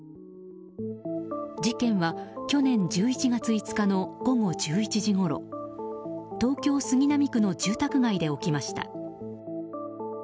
事件は去年１１月５日の午後１１時ごろ東京・杉並区の住宅街で起きました。